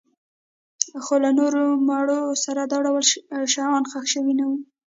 خو له نورو مړو سره دا ډول شیان ښخ شوي نه وو